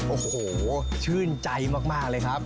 โอ้โหชื่นใจมากเลยครับ